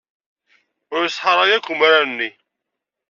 Ur iṣeḥḥa ara yakk umrar-nni.